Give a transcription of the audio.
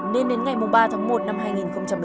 nên đến ngày ba tháng một năm hai nghìn một mươi chín